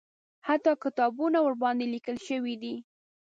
حتی کتابونه ورباندې لیکل شوي دي.